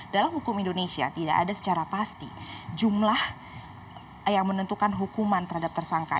dalam hukum indonesia tidak ada secara pasti jumlah yang menentukan hukuman terhadap tersangka